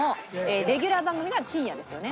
レギュラー番組が深夜ですよね。